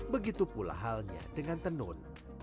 begitu pula halnya dengan tenun